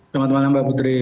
selamat malam mbak putri